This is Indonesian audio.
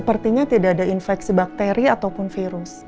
sepertinya tidak ada infeksi bakteri ataupun virus